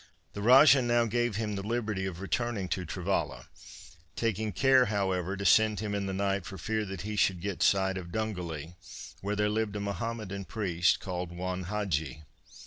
The Rajah now gave him the liberty of returning to Travalla, taking care, however, to send him in the night for fear that he should get sight of Dungally, where there lived a Mahomedan priest called Juan Hadgee.